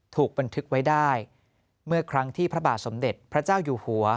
ถูกบันทึกไว้ได้เมื่อครั้งที่พระบาทสมเด็จพระเจ้าอยู่หัว